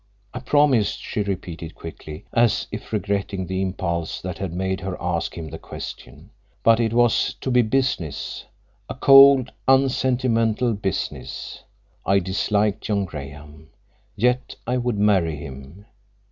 "I promised," she repeated quickly, as if regretting the impulse that had made her ask him the question. "But it was to be business, a cold, unsentimental business. I disliked John Graham. Yet I would marry him.